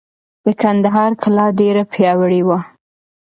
د کندهار کلا ډېره پیاوړې وه.